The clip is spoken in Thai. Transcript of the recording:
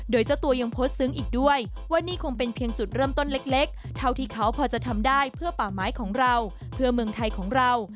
โดยเจ้าตัวยังโพสต์ซึ้งอีกด้วยว่านี่คงเป็นเพียงจุดเริ่มต้นเล็กเท่าที่เขาพอจะทำได้เพื่อป่าไม้ของเราเพื่อเมืองไทยของเรา